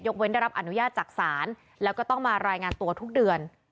เว้นได้รับอนุญาตจากศาลแล้วก็ต้องมารายงานตัวทุกเดือน